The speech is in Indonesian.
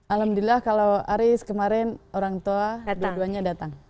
alhamdulillah kalau aris kemarin orang tua dua duanya datang